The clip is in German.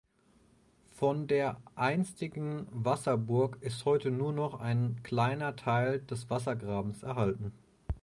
Von der einstigen Wasserburg ist heute nur noch ein kleiner Teil des Wassergrabens erhalten.